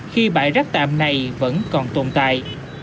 khi bãi rác tạm này vẫn còn tồn tại